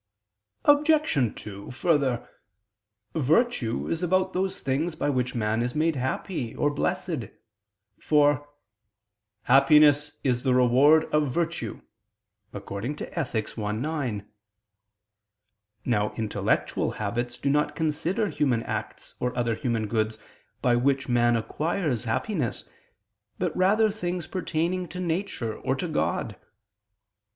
Obj. 2: Further, virtue is about those things by which man is made happy or blessed: for "happiness is the reward of virtue" (Ethic. i, 9). Now intellectual habits do not consider human acts or other human goods, by which man acquires happiness, but rather things pertaining to nature or to God.